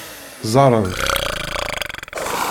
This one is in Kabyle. Ẓẓaren-t.